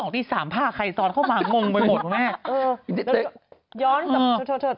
๔๐๐๒๐๐ตี๓๐๐พ่อใครซอดเข้ามางงไปหมดแล้วแม่